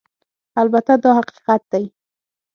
البته دا حقیقت دی